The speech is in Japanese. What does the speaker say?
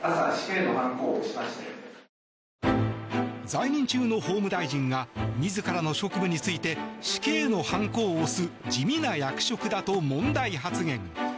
在任中の法務大臣が自らの職務について死刑の判子を押す地味な役職だと問題発言。